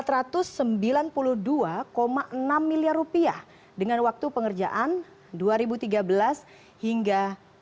rp satu ratus sembilan puluh dua enam miliar rupiah dengan waktu pengerjaan dua ribu tiga belas hingga dua ribu dua puluh